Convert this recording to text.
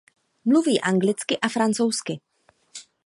Mluví anglicky a francouzsky.